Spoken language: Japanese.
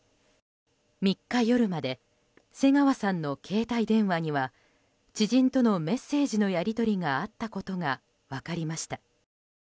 ３日夜まで瀬川さんの携帯電話には知人とのメッセージのやり取りがあったことが分かりました。